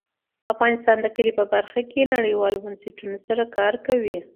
افغانستان د کلي په برخه کې نړیوالو بنسټونو سره کار کوي.